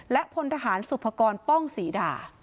และพลทหารสุภกรป้องศรีดา